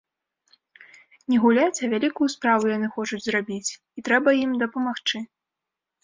Не гуляць, а вялікую справу яны хочуць зрабіць, і трэба ім дапамагчы.